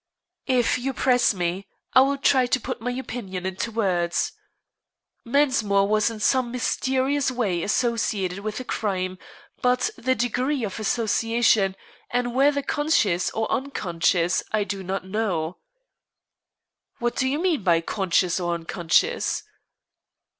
"If you press me I will try to put my opinion into words. Mensmore was in some mysterious way associated with the crime; but the degree of association, and whether conscious or unconscious, I do not know." "What do you mean by 'conscious or unconscious'?"